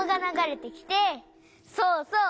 そうそう！